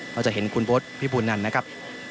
เราจะเห็นคุณโบ๊ทพิบูนันนะครับ